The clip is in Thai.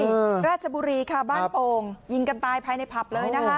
ราชบุรีค่ะบ้านโป่งยิงกันตายภายในผับเลยนะคะ